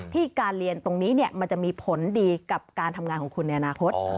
การเรียนตรงนี้มันจะมีผลดีกับการทำงานของคุณในอนาคต